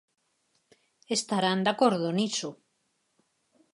Estarán de acordo niso.